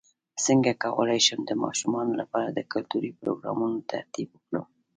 څنګه کولی شم د ماشومانو لپاره د کلتوري پروګرامونو ترتیب ورکړم